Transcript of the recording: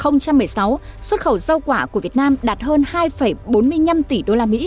năm hai nghìn một mươi sáu xuất khẩu rau quả của việt nam đạt hơn hai bốn mươi năm tỷ usd